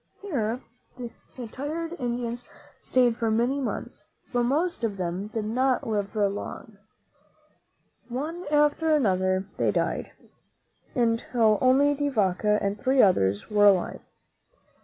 Here the tired Spaniards stayed for many months; but most of them did not live long. One after another they died, until only De Vaca and three others were alive.